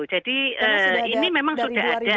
jadi ini masih ada terus sudah ada